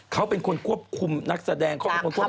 เขาเป็นคนควบคุมนักแสดงเขาเป็นคนควบคุม